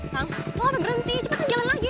tang lu apa berhenti cepetan jalan lagi